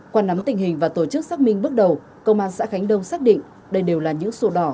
qua nắm tình hình và tổ chức xác minh bước đầu công an xã khánh đông xác định đây đều là những sổ đỏ